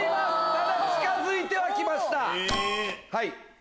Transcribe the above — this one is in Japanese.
ただ近づいては来ました。